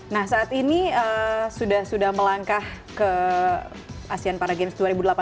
nah saat ini sudah melangkah ke asean paragames dua ribu delapan belas